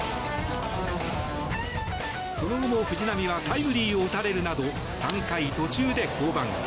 その後も藤浪はタイムリーを打たれるなど３回途中で降板。